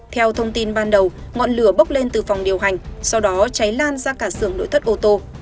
theo thông tin ban đầu ngọn lửa bốc lên từ phòng điều hành sau đó cháy lan ra cả sưởng nội thất ô tô